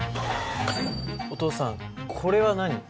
お父さんこれは何？